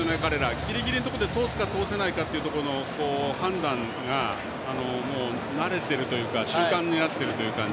ギリギリで通すか通せないかというところの判断が慣れてるというか習慣になってるという感じ